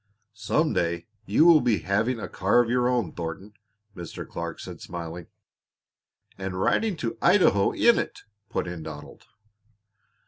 "Some day you will be having a car of your own, Thornton," Mr. Clark said, smiling. "And riding to Idaho in it," put in Donald.